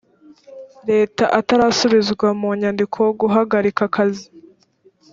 leta atarasubizwa mu nyandiko guhagarika akazi